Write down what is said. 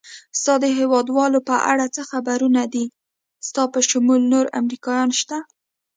ستا د هېوادوالو په اړه څه خبرونه دي؟ ستا په شمول نور امریکایان شته؟